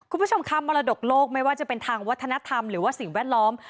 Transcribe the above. คุณผู้ชมคะมรดกโลกไม่ว่าจะเป็นทางวัฒนธรรมหรือว่าสิ่งแวดล้อม